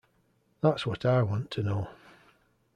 That's what I want to know.